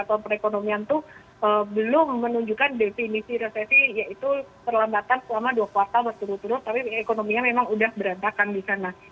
atau perekonomian itu belum menunjukkan definisi resesi yaitu perlambatan selama dua kuartal berturut turut tapi ekonominya memang udah berantakan di sana